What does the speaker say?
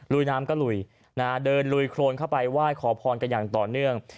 ลุยน้ำก็ลุยเดินลุยโครนเข้าไปไหว้ขอพรกันอย่างต่อเนื่อง